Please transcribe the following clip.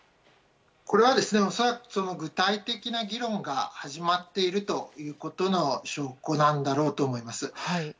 これは恐らく、具体的な議論が始まっているということの証拠なんだろうと思います。